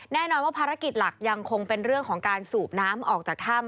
แน่นอนว่าภารกิจหลักยังคงเป็นเรื่องของการสูบน้ำออกจากถ้ำ